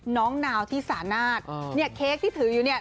นาวที่สานาทเนี่ยเค้กที่ถืออยู่เนี่ย